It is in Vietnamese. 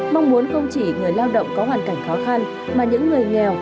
mong muốn không chỉ người lao động có hoàn cảnh khó khăn mà những người nghèo